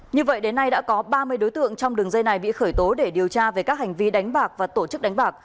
như vậy đến nay đã có ba mươi đối tượng trong đường dây này bị khởi tố để điều tra về các hành vi đánh bạc và tổ chức đánh bạc